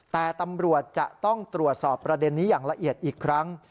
แต่ตำรวจจะต้องตรวจสอบประเด็นนี้อย่างละเอียดอีกครั้ง